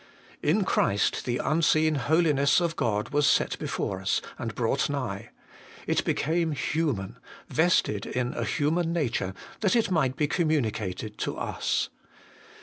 In Christ the unseen holiness of God was set before us, and brought nigh : it became human, vested in a human nature, that it might be communicated to us.